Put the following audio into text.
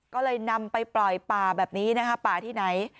ก็เลยนำไปปล่อยป่าแบบนี้นะคะป่าที่ไหน